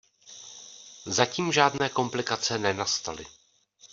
Zatím žádné komplikace nenastaly.